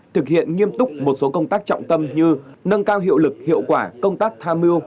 thực hiện nghiêm túc một số công tác trọng tâm như nâng cao hiệu lực hiệu quả công tác tham mưu